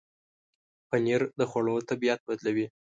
پنېر د خوړو طبعیت بدلوي.